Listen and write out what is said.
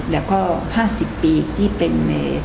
แล้วก็๕๐ปีที่เป็นเม